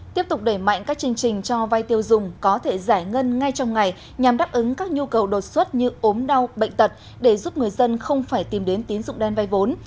tiếp tục đẩy mạnh các chương trình cho vay tiêu dùng có thể giải ngân ngay trong ngày nhằm đáp ứng các nhu cầu đột xuất như ốm đau bệnh tật để giúp người dân không phải tìm đến tín dụng đen vai vốn